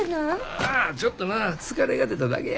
ああちょっとな疲れが出ただけや。